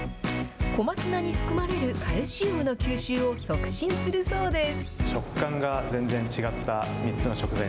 小松菜に含まれるカルシウムの吸収を促進するそうです。